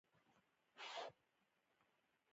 مادي مرستي تر لاسه کړي.